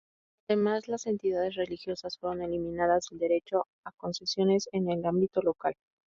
Además, las entidades religiosas fueron eliminadas del derecho a concesiones en el ámbito local.